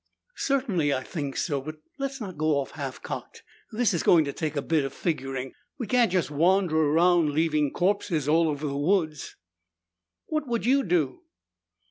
"Certainly I think so, but let's not go off half cocked. This is going to take a bit of figuring. We can't just wander around leaving corpses all over the woods." "What would you do?"